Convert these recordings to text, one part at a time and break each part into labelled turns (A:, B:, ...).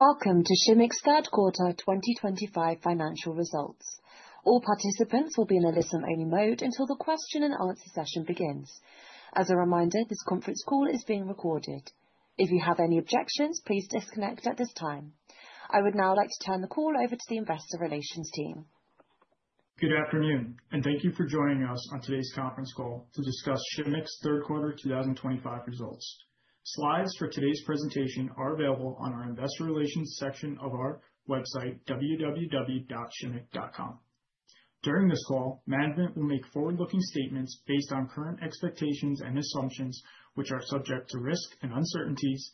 A: Welcome to Shimmick's Third Quarter 2025 financial results. All participants will be in a listen-only mode until the question-and-answer session begins. As a reminder, this conference call is being recorded. If you have any objections, please disconnect at this time. I would now like to turn the call over to the Investor Relations team. Good afternoon, and thank you for joining us on today's conference call to discuss Shimmick's third quarter 2025 results. Slides for today's presentation are available on our Investor Relations section of our website, www.shimmick.com. During this call, management will make forward-looking statements based on current expectations and assumptions, which are subject to risk and uncertainties.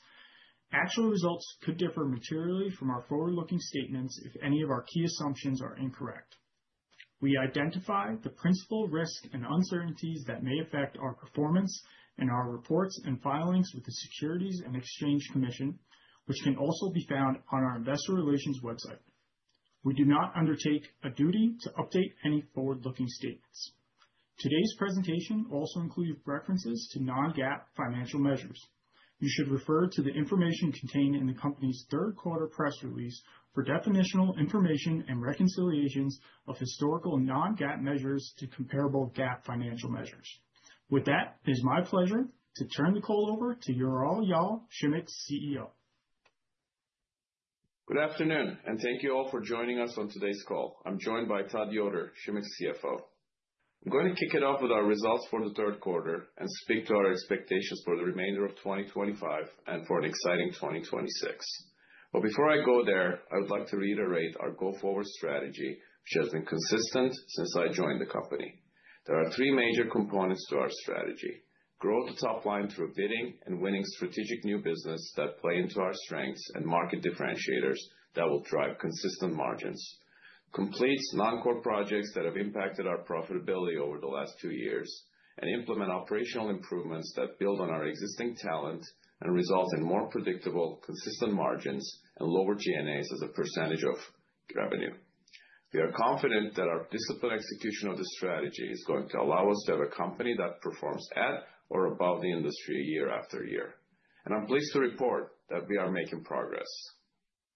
A: Actual results could differ materially from our forward-looking statements if any of our key assumptions are incorrect. We identify the principal risk and uncertainties that may affect our performance in our reports and filings with the Securities and Exchange Commission, which can also be found on our Investor Relations website. We do not undertake a duty to update any forward-looking statements. Today's presentation also includes references to non-GAAP financial measures. You should refer to the information contained in the company's Third Quarter Press Release for definitional information and reconciliations of historical non-GAAP measures to comparable GAAP financial measures. With that, it is my pleasure to turn the call over to Ural Yal, Shimmick's CEO.
B: Good afternoon, and thank you all for joining us on today's call. I'm joined by Todd Yoder, Shimmick's CFO. I'm going to kick it off with our results for the third quarter and speak to our expectations for the remainder of 2025 and for an exciting 2026. Before I go there, I would like to reiterate our go-forward strategy, which has been consistent since I joined the company. There are three major components to our strategy: grow the top line through bidding and winning strategic new business that play into our strengths and market differentiators that will drive consistent margins; complete non-core projects that have impacted our profitability over the last two years; and implement operational improvements that build on our existing talent and result in more predictable, consistent margins and lower G&A as a percentage of revenue. We are confident that our disciplined execution of the strategy is going to allow us to have a company that performs at or above the industry year after year. I am pleased to report that we are making progress.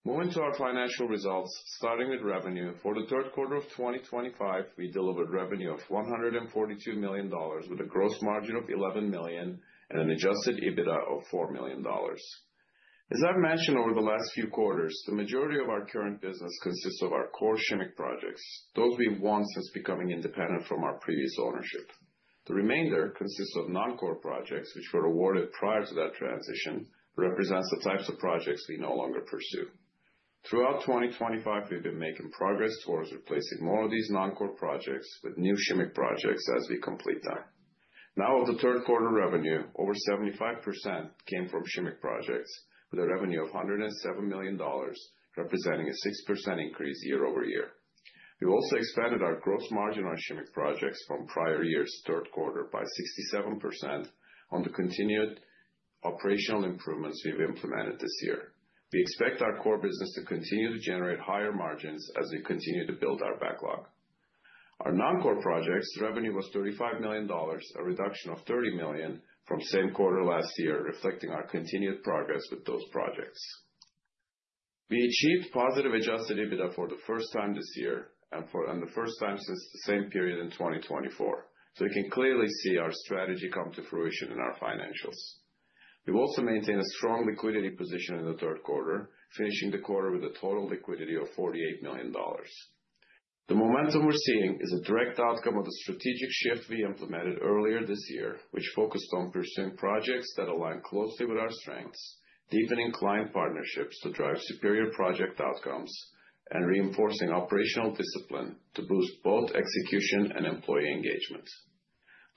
B: Moving to our financial results, starting with revenue, for the third quarter of 2025, we delivered revenue of $142 million with a gross margin of $11 million and an Adjusted EBITDA of $4 million. As I have mentioned over the last few quarters, the majority of our current business consists of our core Shimmick projects, those we have won since becoming independent from our previous ownership. The remainder consists of non-core projects, which were awarded prior to that transition, but represents the types of projects we no longer pursue. Throughout 2025, we have been making progress towards replacing more of these non-core projects with new Shimmick projects as we complete them. Now, of the third quarter revenue, over 75% came from Shimmick projects, with a revenue of $107 million, representing a 6% increase Year-over-Year. We also expanded our gross margin on Shimmick projects from prior years' third quarter by 67% on the continued operational improvements we've implemented this year. We expect our core business to continue to generate higher margins as we continue to build our backlog. Our non-core projects' revenue was $35 million, a reduction of $30 million from the same quarter last year, reflecting our continued progress with those projects. We achieved positive Adjusted EBITDA for the first time this year and for the first time since the same period in 2024, so we can clearly see our strategy come to fruition in our financials. We've also maintained a strong liquidity position in the third quarter, finishing the quarter with a total liquidity of $48 million. The momentum we're seeing is a direct outcome of the strategic shift we implemented earlier this year, which focused on pursuing projects that align closely with our strengths, deepening client partnerships to drive superior project outcomes, and reinforcing operational discipline to boost both execution and employee engagement.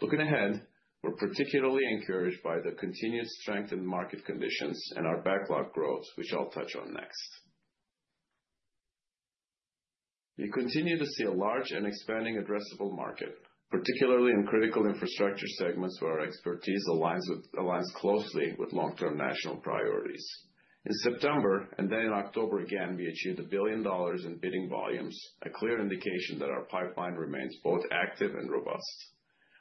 B: Looking ahead, we're particularly encouraged by the continued strength in market conditions and our backlog growth, which I'll touch on next. We continue to see a large and expanding addressable market, particularly in critical infrastructure segments where our expertise aligns closely with long-term national priorities. In September, and then in October again, we achieved $1 billion in bidding volumes, a clear indication that our pipeline remains both active and robust.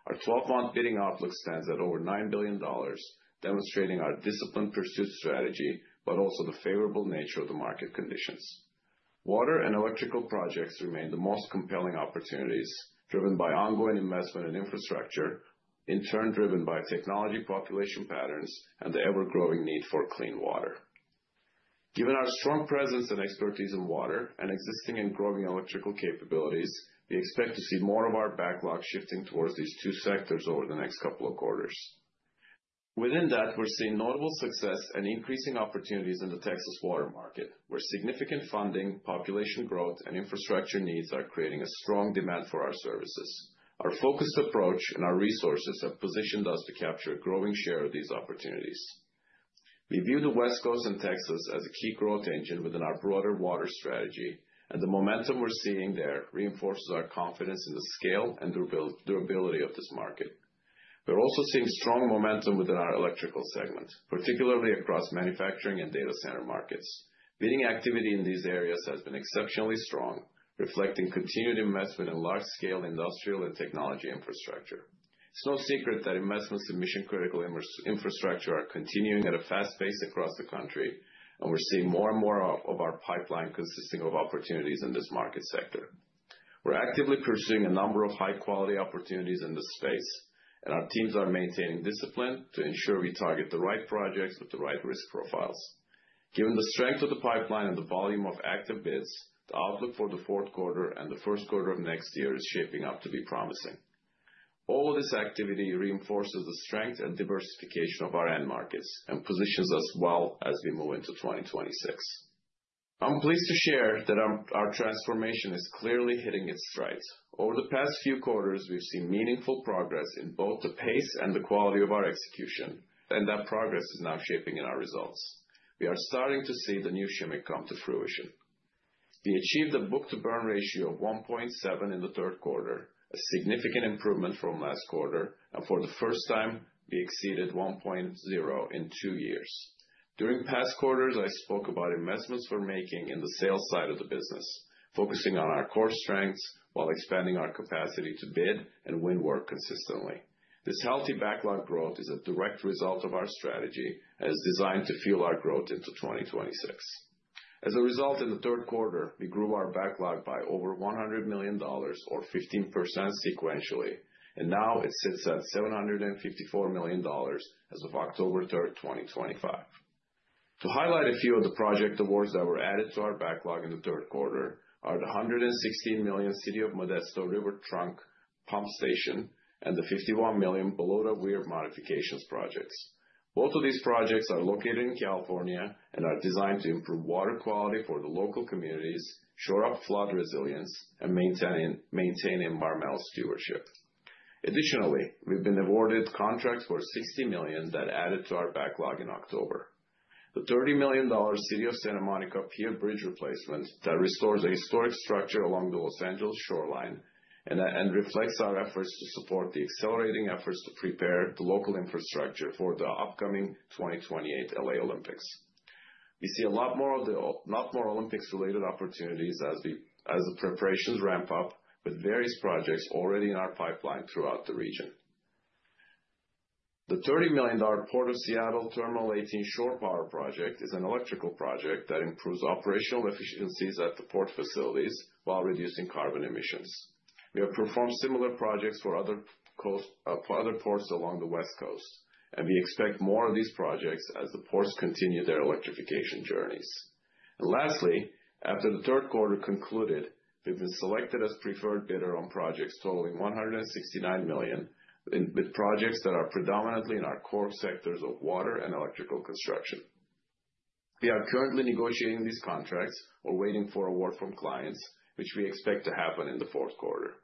B: Our 12-month bidding outlook stands at over $9 billion, demonstrating our disciplined pursuit strategy but also the favorable nature of the market conditions. Water and Electrical projects remain the most compelling opportunities, driven by ongoing investment in infrastructure, in turn driven by technology, population patterns, and the ever-growing need for clean water. Given our strong presence and expertise in water and existing and growing electrical capabilities, we expect to see more of our backlog shifting towards these two sectors over the next couple of quarters. Within that, we're seeing notable success and increasing opportunities in the Texas water market, where significant funding, population growth, and infrastructure needs are creating a strong demand for our services. Our focused approach and our resources have positioned us to capture a growing share of these opportunities. We view the West Coast and Texas as a key growth engine within our broader water strategy, and the momentum we're seeing there reinforces our confidence in the scale and durability of this market. We're also seeing strong momentum within our electrical segment, particularly across manufacturing and data center markets. Bidding activity in these areas has been exceptionally strong, reflecting continued investment in large-scale industrial and technology infrastructure. It's no secret that investments in mission-critical infrastructure are continuing at a fast pace across the country, and we're seeing more and more of our pipeline consisting of opportunities in this market sector. We're actively pursuing a number of high-quality opportunities in this space, and our teams are maintaining discipline to ensure we target the right projects with the right risk profiles. Given the strength of the pipeline and the volume of active bids, the outlook for the fourth quarter and the first quarter of next year is shaping up to be promising. All of this activity reinforces the strength and diversification of our end markets and positions us well as we move into 2026. I'm pleased to share that our transformation is clearly hitting its stride. Over the past few quarters, we've seen meaningful progress in both the pace and the quality of our execution, and that progress is now shaping our results. We are starting to see the new Shimmick come to fruition. We achieved a book-to-burn ratio of 1.7 in the third quarter, a significant improvement from last quarter, and for the first time, we exceeded 1.0 in two years. During past quarters, I spoke about investments we're making in the sales side of the business, focusing on our core strengths while expanding our capacity to bid and win work consistently. This healthy backlog growth is a direct result of our strategy and is designed to fuel our growth into 2026. As a result, in the third quarter, we grew our backlog by over $100 million, or 15% sequentially, and now it sits at $754 million as of October 3, 2025. To highlight a few of the project awards that were added to our backlog in the third quarter are the $116 million City of Modesto River Trunk Pump Station and the $51 million Belota Weir Modifications projects. Both of these projects are located in California and are designed to improve water quality for the local communities, shore up flood resilience, and maintain environmental stewardship. Additionally, we've been awarded contracts worth $60 million that added to our backlog in October. The $30 million City of Santa Monica Pier Bridge replacement that restores a historic structure along the Los Angeles shoreline and reflects our efforts to support the accelerating efforts to prepare the local infrastructure for the Upcoming 2028 LA Olympics. We see a lot more of the Olympics-related opportunities as the preparations ramp up with various projects already in our pipeline throughout the region. The $30 million Port of Seattle Thermal 18 Shore Power Project is an electrical project that improves operational efficiencies at the port facilities while reducing carbon emissions. We have performed similar projects for other ports along the West Coast, and we expect more of these projects as the ports continue their electrification journeys. Lastly, after the third quarter concluded, we've been selected as preferred bidder on projects totaling $169 million, with projects that are predominantly in our core sectors of water and electrical construction. We are currently negotiating these contracts or waiting for awards from clients, which we expect to happen in the fourth quarter.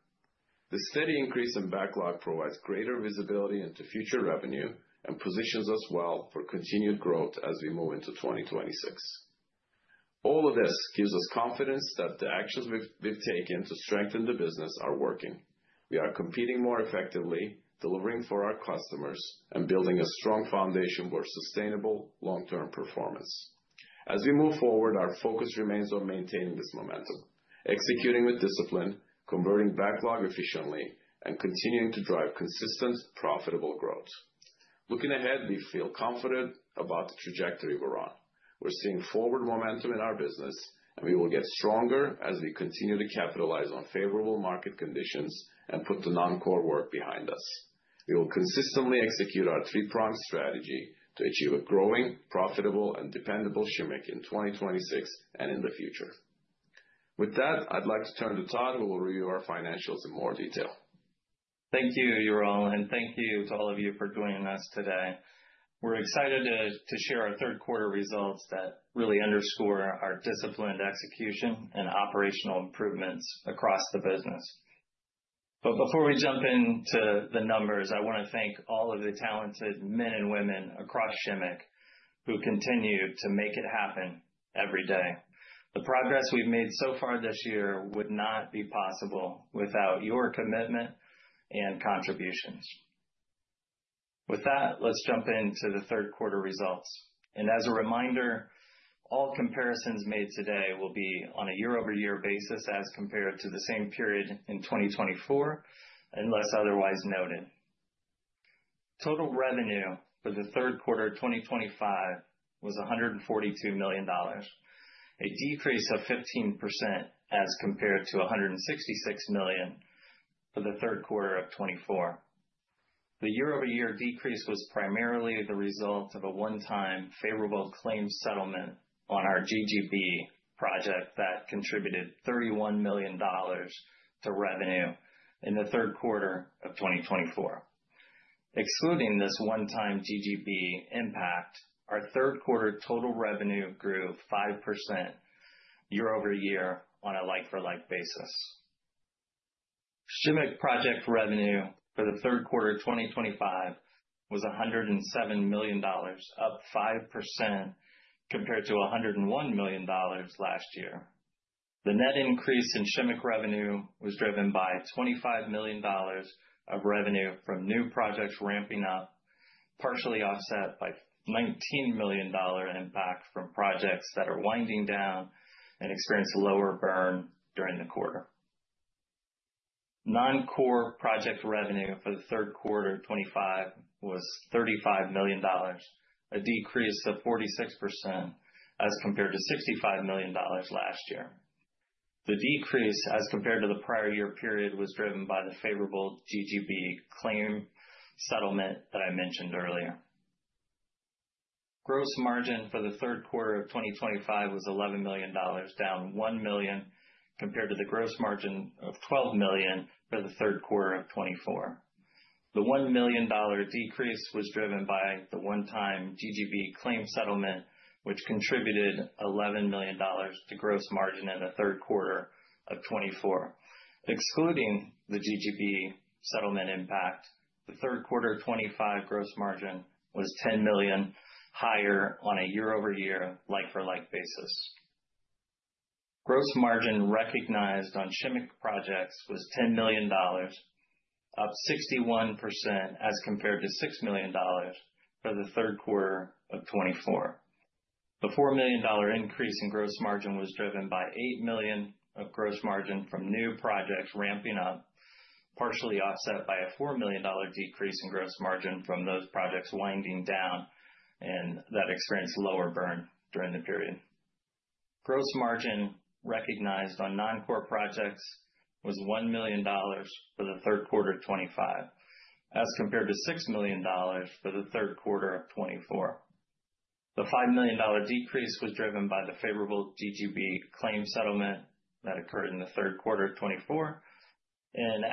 B: The steady increase in backlog provides greater visibility into future revenue and positions us well for continued growth as we move into 2026. All of this gives us confidence that the actions we've taken to strengthen the business are working. We are competing more effectively, delivering for our customers, and building a strong foundation for sustainable long-term performance. As we move forward, our focus remains on maintaining this momentum, executing with discipline, converting backlog efficiently, and continuing to drive consistent, profitable growth. Looking ahead, we feel confident about the trajectory we're on. We're seeing forward momentum in our business, and we will get stronger as we continue to capitalize on favorable market conditions and put the non-core work behind us. We will consistently execute our three-pronged strategy to achieve a growing, profitable, and dependable Shimmick in 2026 and in the future. With that, I'd like to turn to Todd, who will review our financials in more detail.
C: Thank you, Ural, and thank you to all of you for joining us today. We're excited to share our third quarter results that really underscore our discipline and execution and operational improvements across the business. Before we jump into the numbers, I want to thank all of the talented men and women across Shimmick who continue to make it happen every day. The progress we've made so far this year would not be possible without your commitment and contributions. With that, let's jump into the third quarter results. As a reminder, all comparisons made today will be on a Year-over-Year basis as compared to the same period in 2024, unless otherwise noted. Total revenue for the third quarter of 2025 was $142 million, a decrease of 15% as compared to $166 million for the third quarter of 2024. The Year-over-Year decrease was primarily the result of a one-time favorable claim settlement on our GGB project that contributed $31 million to revenue in the third quarter of 2024. Excluding this one-time GGB impact, our third quarter total revenue grew 5% Year-over-Year on a like-for-like basis. Shimmick project revenue for the third quarter of 2025 was $107 million, up 5% compared to $101 million last year. The net increase in Shimmick revenue was driven by $25 million of revenue from new projects ramping up, partially offset by $19 million impact from projects that are winding down and experience lower burn during the quarter. Non-core project revenue for the third quarter of 2025 was $35 million, a decrease of 46% as compared to $65 million last year. The decrease as compared to the prior year period was driven by the favorable GGB claim settlement that I mentioned earlier. Gross margin for the third quarter of 2025 was $11 million, down $1 million compared to the gross margin of $12 million for the third quarter of 2024. The $1 million decrease was driven by the one-time GGB claim settlement, which contributed $11 million to gross margin in the third quarter of 2024. Excluding the GGB settlement impact, the third quarter of 2025 gross margin was $10 million higher on a Year-over-Year like-for-like basis. Gross margin recognized on Shimmick projects was $10 million, up 61% as compared to $6 million for the third quarter of 2024. The $4 million increase in gross margin was driven by $8 million of gross margin from new projects ramping up, partially offset by a $4 million decrease in gross margin from those projects winding down and that experienced lower burn during the period. Gross margin recognized on non-core projects was $1 million for the third quarter of 2025, as compared to $6 million for the third quarter of 2024. The $5 million decrease was driven by the favorable GGB claim settlement that occurred in the third quarter of 2024.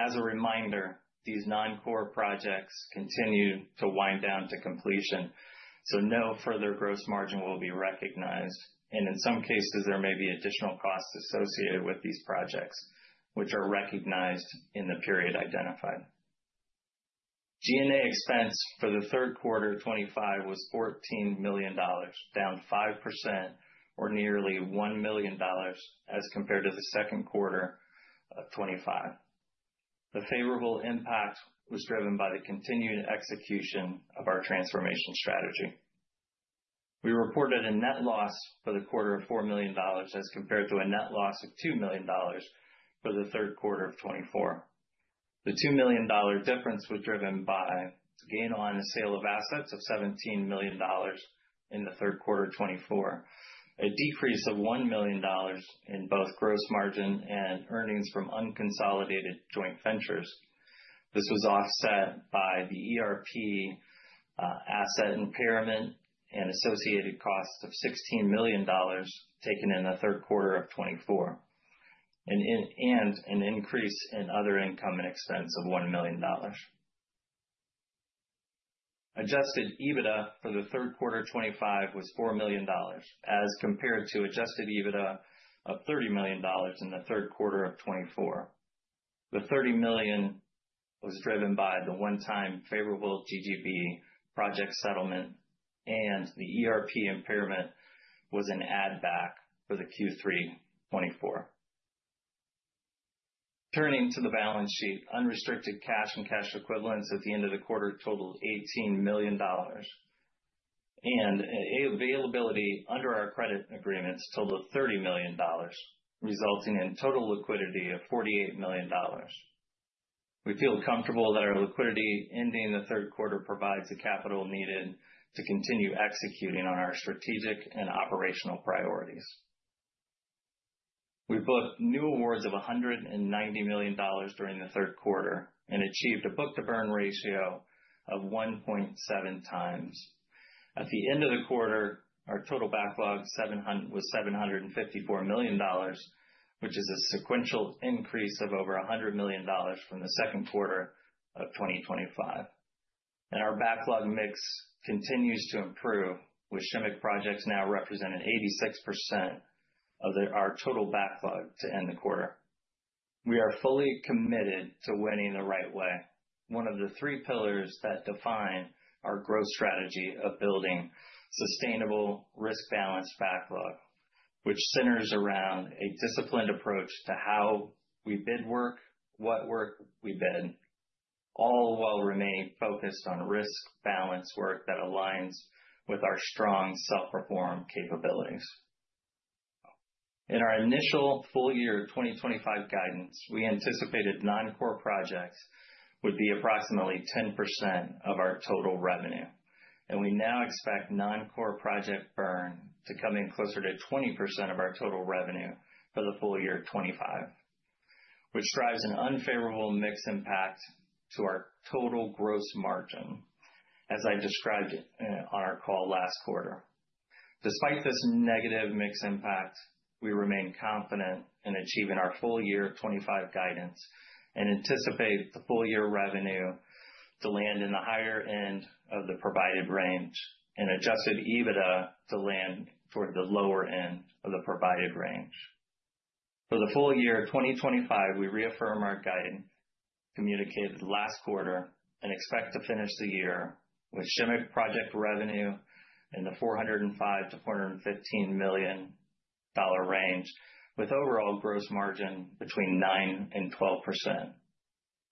C: As a reminder, these non-core projects continue to wind down to completion, so no further gross margin will be recognized. In some cases, there may be additional costs associated with these projects, which are recognized in the period identified. G&A expense for the third quarter of 2025 was $14 million, down 5%, or nearly $1 million as compared to the second quarter of 2025. The favorable impact was driven by the continued execution of our transformation strategy. We reported a net loss for the quarter of $4 million as compared to a net loss of $2 million for the third quarter of 2024. The $2 million difference was driven by gain on the sale of assets of $17 million in the third quarter of 2024, a decrease of $1 million in both gross margin and earnings from unconsolidated joint ventures. This was offset by the ERP Asset impairment and associated costs of $16 million taken in the third quarter of 2024, and an increase in other income and expense of $1 million. Adjusted EBITDA for the third quarter of 2025 was $4 million, as compared to Adjusted EBITDA of $30 million in the third quarter of 2024. The $30 million was driven by the one-time favorable GGB project settlement, and the ERP impairment was an add-back for the Q3 2024. Turning to the balance sheet, unrestricted cash and cash equivalents at the end of the quarter totaled $18 million, and availability under our credit agreements totaled $30 million, resulting in total liquidity of $48 million. We feel comfortable that our liquidity ending the third quarter provides the capital needed to continue executing on our strategic and operational priorities. We booked new awards of $190 million during the third quarter and achieved a book-to-burn ratio of 1.7 times. At the end of the quarter, our total backlog was $754 million, which is a sequential increase of over $100 million from the second quarter of 2025. Our backlog mix continues to improve, with Shimmick projects now representing 86% of our total backlog to end the quarter. We are fully committed to winning the right way, one of the three pillars that define our growth strategy of building sustainable, risk-balanced backlog, which centers around a disciplined approach to how we bid work, what work we bid, all while remaining focused on risk-balanced work that aligns with our strong self-perform capabilities. In our initial full-year 2025 guidance, we anticipated non-core projects would be approximately 10% of our total revenue, and we now expect non-core project burn to come in closer to 20% of our total revenue for the full year 2025, which drives an unfavorable mix impact to our total gross margin, as I described on our call last quarter. Despite this negative mix impact, we remain confident in achieving our full-year 2025 guidance and anticipate the full-year revenue to land in the higher end of the provided range and Adjusted EBITDA to land toward the lower end of the provided range. For the full year 2025, we reaffirm our guidance communicated last quarter and expect to finish the year with Shimmick project revenue in the $405-$415 million range, with overall gross margin between 9%-12%.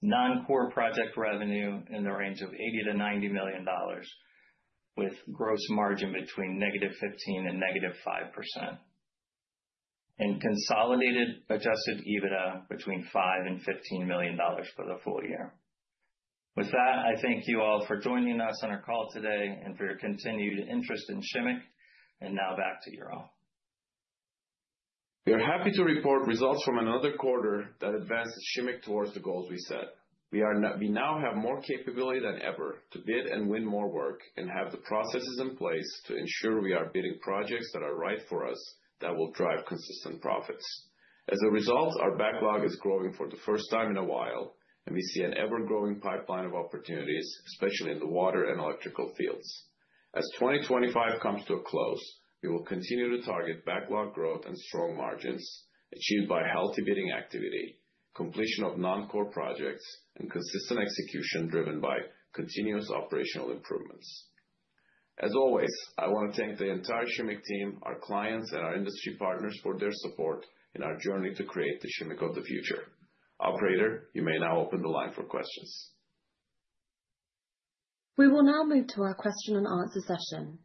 C: Non-core project revenue in the range of $80-$90 million, with gross margin between negative 15% and negative 5%, and consolidated adjusted EBITDA between $5-$15 million for the full year. With that, I thank you all for joining us on our call today and for your continued interest in Shimmick. Now back to Ural.
B: We are happy to report results from another quarter that advanced Shimmick towards the goals we set. We now have more capability than ever to bid and win more work and have the processes in place to ensure we are bidding projects that are right for us that will drive consistent profits. As a result, our backlog is growing for the first time in a while, and we see an ever-growing pipeline of opportunities, especially in the water and electrical fields. As 2025 comes to a close, we will continue to target backlog growth and strong margins achieved by healthy bidding activity, completion of non-core projects, and consistent execution driven by continuous operational improvements. As always, I want to thank the entire Shimmick team, our clients, and our industry partners for their support in our journey to create the Shimmick of the future. Operator, you may now open the line for questions.
A: We will now move to our question and answer session.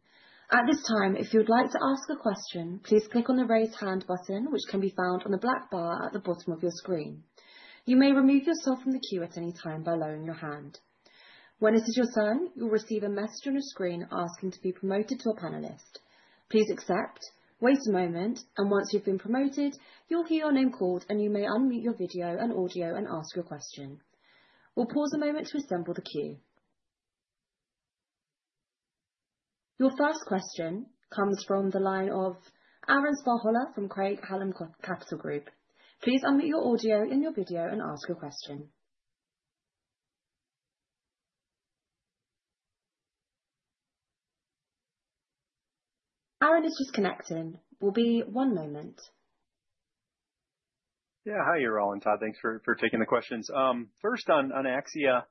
A: At this time, if you would like to ask a question, please click on the raise hand button, which can be found on the black bar at the bottom of your screen. You may remove yourself from the queue at any time by lowering your hand. When it is your turn, you'll receive a message on your screen asking to be promoted to a panelist. Please accept, wait a moment, and once you've been promoted, you'll hear your name called, and you may unmute your video and audio and ask your question. We'll pause a moment to assemble the queue. Your first question comes from the line of Aaron Spychalla from Craig Hallum Capital Group. Please unmute your audio and your video and ask your question. Aaron is just connecting. Will be one moment.
D: Yeah, hi, Ural and Todd. Thanks for taking the questions. First, on Axia,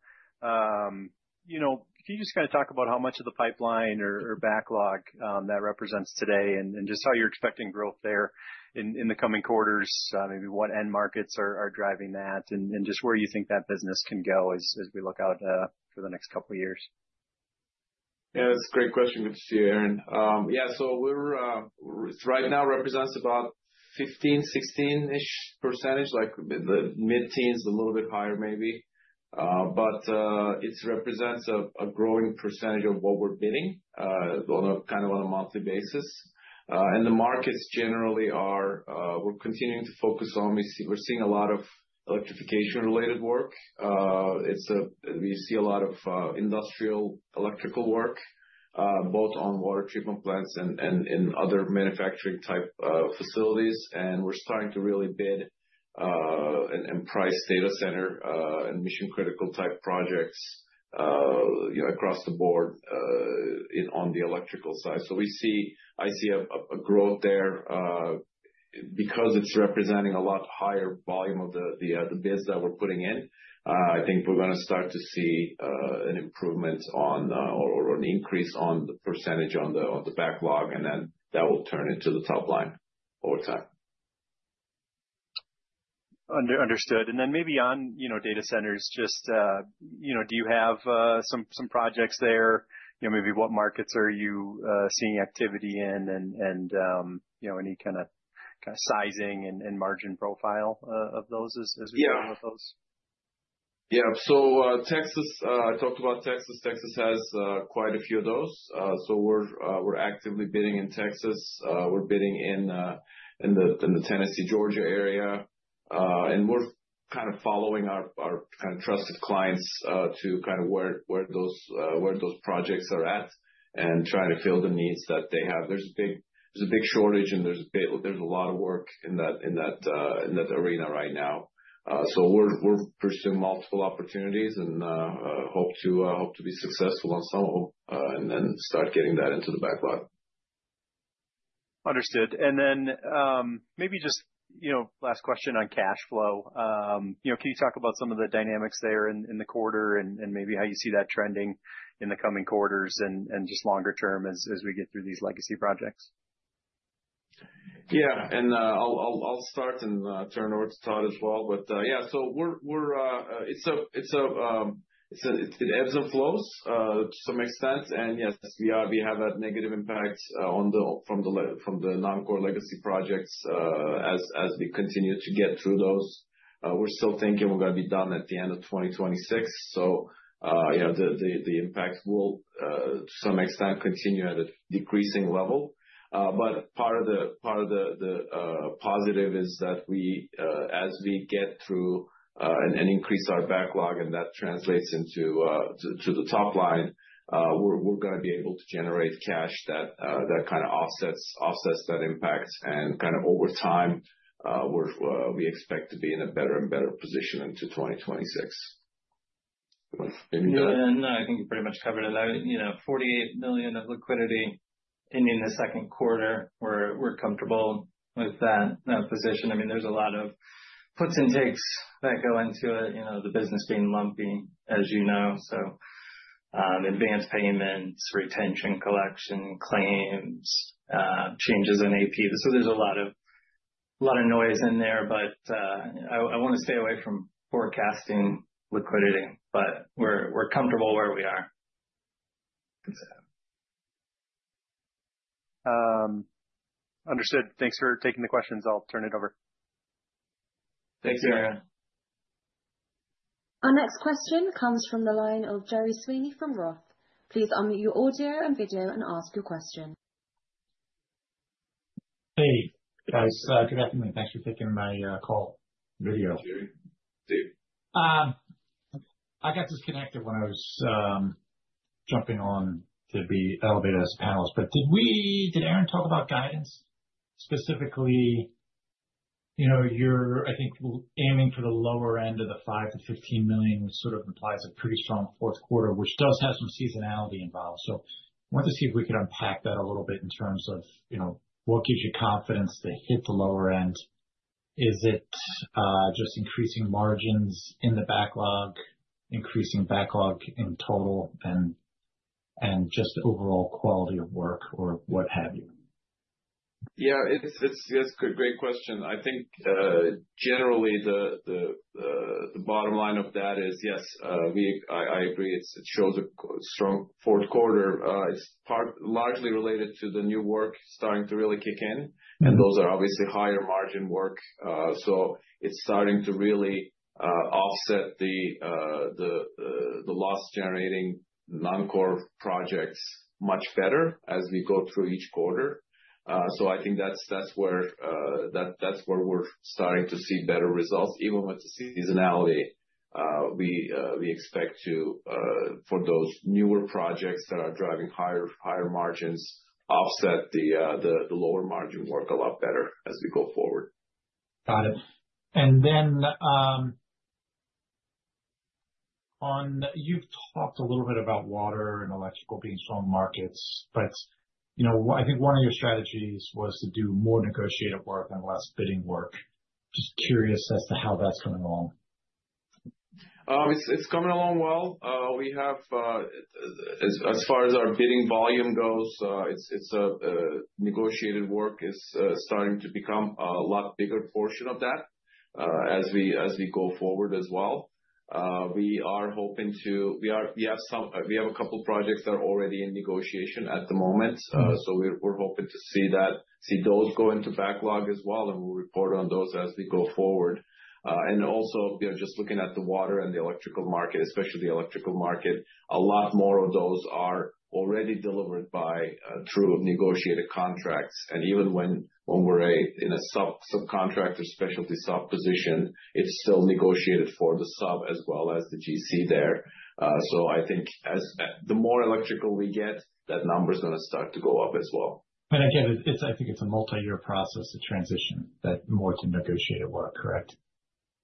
D: can you just kind of talk about how much of the pipeline or backlog that represents today and just how you're expecting growth there in the coming quarters, maybe what end markets are driving that, and just where you think that business can go as we look out for the next couple of years?
B: Yeah, that's a great question. Good to see you, Aaron. Yeah, so right now represents about 15-16% ish percentage, like the mid-teens, a little bit higher maybe. It represents a growing percentage of what we're bidding on kind of on a monthly basis. The markets generally are, we're continuing to focus on, we're seeing a lot of electrification-related work. We see a lot of industrial electrical work, both on water treatment plants and in other manufacturing-type facilities. We're starting to really bid and price data center and mission-critical type projects across the board on the electrical side. I see a growth there because it's representing a lot higher volume of the bids that we're putting in. I think we're going to start to see an improvement on or an increase on the percentage on the backlog, and then that will turn into the top line over time.
D: Understood. And then maybe on data centers, just do you have some projects there? Maybe what markets are you seeing activity in and any kind of sizing and margin profile of those as we go with those?
B: Yeah. Texas, I talked about Texas. Texas has quite a few of those. We're actively bidding in Texas. We're bidding in the Tennessee, Georgia area. We're kind of following our kind of trusted clients to where those projects are at and trying to fill the needs that they have. There's a big shortage, and there's a lot of work in that arena right now. We're pursuing multiple opportunities and hope to be successful on some of them and then start getting that into the backlog.
D: Understood. Maybe just last question on cash flow. Can you talk about some of the dynamics there in the quarter and maybe how you see that trending in the coming quarters and just longer term as we get through these legacy projects?
B: Yeah. I'll start and turn over to Todd as well. Yeah, it ebbs and flows to some extent. Yes, we have a negative impact from the non-core legacy projects as we continue to get through those. We're still thinking we're going to be done at the end of 2026. The impact will, to some extent, continue at a decreasing level. Part of the positive is that as we get through and increase our backlog, and that translates into the top line, we're going to be able to generate cash that kind of offsets that impact. Over time, we expect to be in a better and better position into 2026.
D: Yeah, and I think you pretty much covered it. $48 million of liquidity ending the second quarter. We're comfortable with that position. I mean, there's a lot of puts and takes that go into it, the business being lumpy, as you know. Advance payments, retention collection, claims, changes in AP. There's a lot of noise in there, but I want to stay away from forecasting liquidity, but we're comfortable where we are. Understood. Thanks for taking the questions. I'll turn it over.
B: Thanks, Aaron.
A: Our next question comes from the line of Jerry Sweeney from Roth. Please unmute your audio and video and ask your question.
E: Hey, guys. Good afternoon. Thanks for taking my call video. I got disconnected when I was jumping on to be elevated as a panelist. Did Aaron talk about guidance? Specifically, you're, I think, aiming for the lower end of the $5 million-$15 million, which sort of implies a pretty strong fourth quarter, which does have some seasonality involved. I wanted to see if we could unpack that a little bit in terms of what gives you confidence to hit the lower end. Is it just increasing margins in the backlog, increasing backlog in total, and just overall quality of work or what have you?
B: Yeah, that's a great question. I think generally the bottom line of that is, yes, I agree. It shows a strong fourth quarter. It's largely related to the new work starting to really kick in, and those are obviously higher margin work. It's starting to really offset the loss-generating non-core projects much better as we go through each quarter. I think that's where we're starting to see better results. Even with the seasonality, we expect for those newer projects that are driving higher margins to offset the lower margin work a lot better as we go forward.
E: Got it. You have talked a little bit about water and electrical being strong markets, but I think one of your strategies was to do more negotiated work and less bidding work. Just curious as to how that is coming along.
B: It's coming along well. As far as our bidding volume goes, negotiated work is starting to become a lot bigger portion of that as we go forward as well. We are hoping to—we have a couple of projects that are already in negotiation at the moment. We are hoping to see those go into backlog as well, and we will report on those as we go forward. Also, we are just looking at the water and the electrical market, especially the electrical market. A lot more of those are already delivered through negotiated contracts. Even when we are in a subcontractor, specialty sub position, it is still negotiated for the sub as well as the GC there. I think the more electrical we get, that number is going to start to go up as well.
E: I think it's a multi-year process to transition more to negotiated work, correct?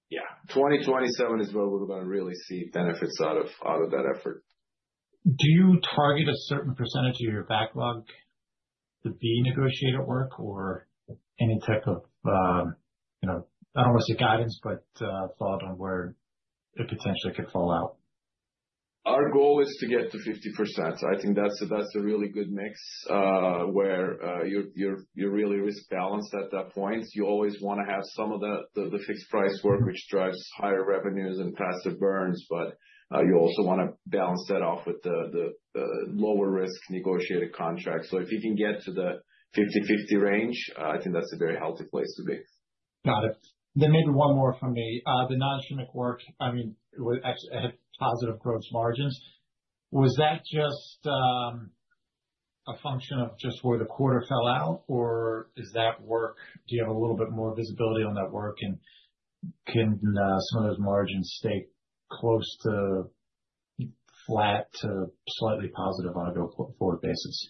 B: Yeah. 2027 is where we're going to really see benefits out of that effort.
E: Do you target a certain percentage of your backlog to be negotiated work or any type of, I don't want to say guidance, but thought on where it potentially could fall out?
B: Our goal is to get to 50%. I think that's a really good mix where you're really risk-balanced at that point. You always want to have some of the fixed price work, which drives higher revenues and faster burns, but you also want to balance that off with the lower risk negotiated contracts. If you can get to the 50/50 range, I think that's a very healthy place to be.
E: Got it. Then maybe one more from me. The non-Shimmick work, I mean, had positive gross margins. Was that just a function of just where the quarter fell out, or is that work? Do you have a little bit more visibility on that work, and can some of those margins stay close to flat to slightly positive on a go forward basis?
B: Yeah.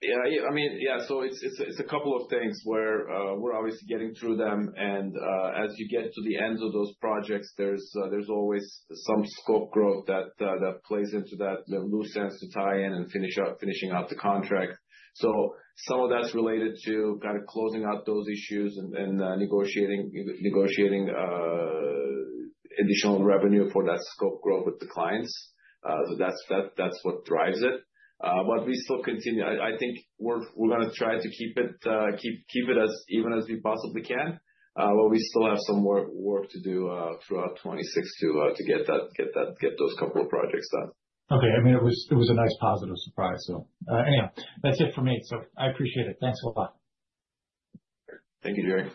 B: I mean, yeah. So it's a couple of things where we're obviously getting through them. And as you get to the ends of those projects, there's always some scope growth that plays into that, the loose ends to tie in and finishing out the contract. Some of that's related to kind of closing out those issues and negotiating additional revenue for that scope growth with the clients. That's what drives it. We still continue. I think we're going to try to keep it as even as we possibly can, but we still have some work to do throughout 2026 to get those couple of projects done.
E: Okay. I mean, it was a nice positive surprise. Anyhow, that's it for me. I appreciate it. Thanks a lot.
B: Thank you, Jerry.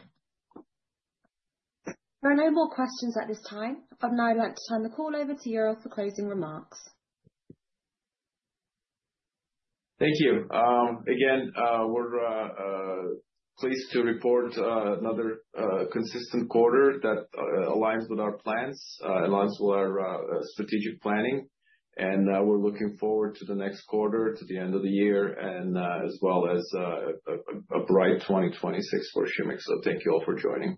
A: There are no more questions at this time. I'd now like to turn the call over to Ural for closing remarks.
B: Thank you. Again, we're pleased to report another consistent quarter that Aligns with our plans, aligns with our strategic planning. We're looking forward to the next quarter, to the end of the year, as well as a bright 2026 for Shimmick. Thank you all for joining.